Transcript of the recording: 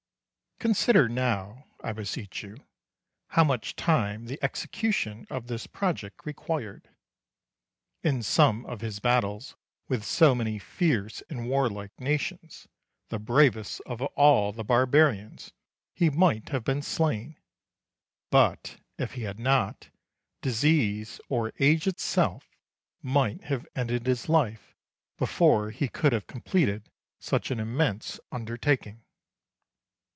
Consider now, I beseech you, how much time the execution of this project required. In some of his battles with so many fierce and warlike nations, the bravest of all the barbarians, he might have been slain; but, if he had not, disease, or age itself, might have ended his life before he could have completed such an immense undertaking.